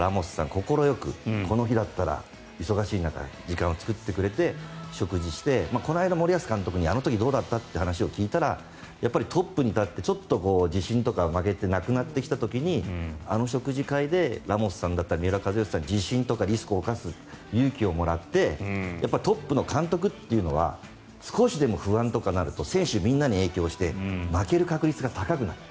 快くこの日だったらということで忙しい中、時間を作ってくれて食事して、この間森保監督にあの時どうだった？って話を聞いたらやっぱりトップに立ってちょっと自信とかが負けてなくなってきていた時にあの食事会でラモスさん三浦知良さんから自信とかリスクを冒す勇気をもらってトップの監督っていうのは少しでも不安とかなると選手みんなに影響して負ける確率が高くなる。